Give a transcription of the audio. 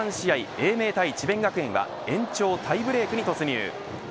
英明対智弁学園は延長タイブレークに突入。